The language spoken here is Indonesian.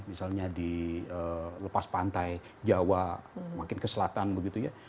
misalnya di lepas pantai jawa makin ke selatan begitu ya